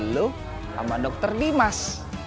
lo sama dokter dimas